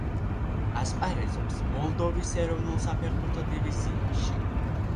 ასპარეზობს მოლდოვის ეროვნულ საფეხბურთო დივიზიაში.